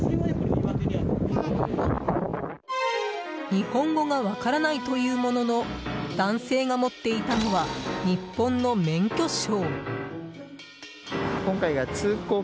日本語が分からないというものの男性が持っていたのは日本の免許証。